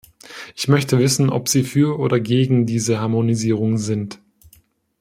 Ich möchte wissen, ob Sie für oder gegen diese Harmonisierung sind.